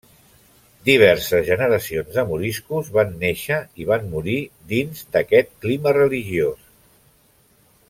Diverses generacions de moriscos van néixer i van morir dins d'aquest clima religiós.